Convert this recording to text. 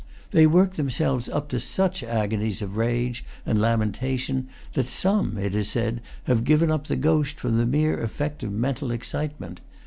They work themselves up to such agonies of rage and lamentation that some, it is said, have given up the ghost from the mere effect of mental excitement.